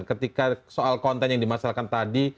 ketika soal konten yang dimasalkan tadi